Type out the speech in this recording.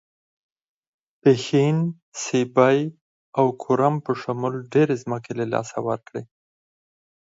پښین، سیبۍ او کورم په شمول ډېرې ځمکې له لاسه ورکړې.